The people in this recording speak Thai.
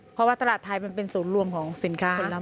เพราะว่าตลาดไทยมันเป็นศูนย์รวมของสินค้า